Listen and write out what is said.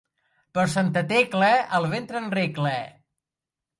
Per Santa Tecla, el ventre en regla.